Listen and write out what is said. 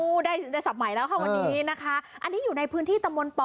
อู้ได้ได้สับใหม่แล้วค่ะวันนี้นะคะอันนี้อยู่ในพื้นที่ตะมนต์ปอ